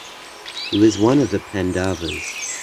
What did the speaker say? He was one of the pandavas.